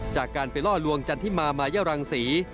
จากการไปล่อลวงจันทิมามายรังศรี